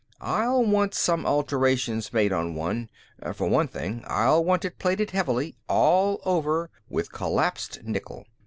I'll want some alterations made on one. For one thing, I'll want it plated heavily, all over, with collapsed nickel.